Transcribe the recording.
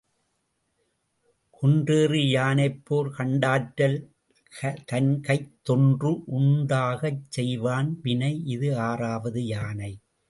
குன்றேறி யானைப்போர் கண்டற்றால் தன்கைத்தொன்று உண்டாகச் செய்வான் வினை. இது ஆறாவது யானை.